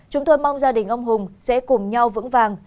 chúng tôi mong gia đình ông hùng sẽ cùng nhau vững vàng